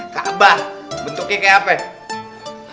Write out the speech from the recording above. kak abah bentuknya kayak apa ya